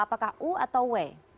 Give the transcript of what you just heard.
apakah u atau w